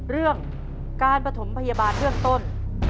เรื่องการปฐมพยาบาลเบื้องต้น